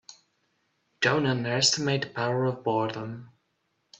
Don't underestimate the power of boredom.